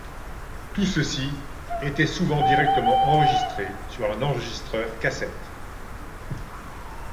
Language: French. Tout ceci était souvent directement enregistré sur un enregistreur cassette.